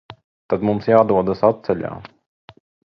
Tad mums jādodas atceļā.